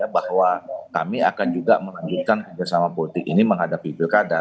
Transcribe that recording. bahwa kami akan juga melanjutkan kerjasama politik ini menghadapi pilkada